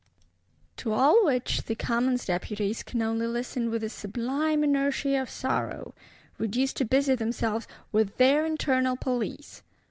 To all which the Commons Deputies can only listen with a sublime inertia of sorrow; reduced to busy themselves "with their internal police."